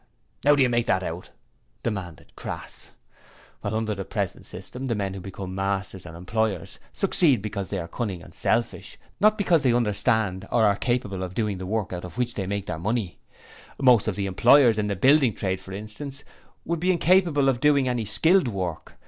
'How do you make that out?' demanded Crass. 'Under the present system, the men who become masters and employers succeed because they are cunning and selfish, not because they understand or are capable of doing the work out of which they make their money. Most of the employers in the building trade for instance would be incapable of doing any skilled work.